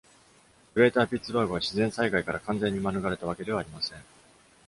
グレーター・ピッツバーグは、自然災害から完全に免れたわけではありません。